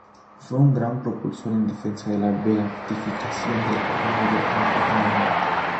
Fue un gran propulsor en defensa de la beatificación del cardenal John Henry Newman.